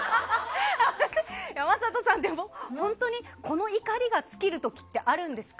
山里さん、この怒りが尽きる時ってあるんですか？